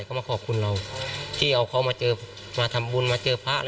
เขามาขอบคุณเราที่เอาเขามาทำบุญมาเจอพระ